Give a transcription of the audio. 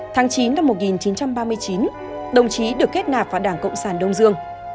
tháng chín năm một nghìn chín trăm ba mươi chín đồng chí được kết nạp vào đảng cộng sản đông dương